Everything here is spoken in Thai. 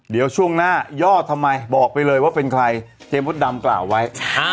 เดี๋ยวช่วงหน้ายอดทำไมบอกไปเลยว่าเป็นใครเจ๊มดดำกล่าวไว้